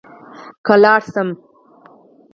که لاړ شم.